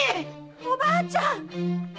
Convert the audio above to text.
おばあちゃん！